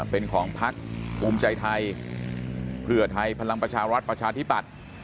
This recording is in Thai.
เป็นของพักภูมิใจไทยเพื่อไทยพลังประชารัฐประชาธิปัตย์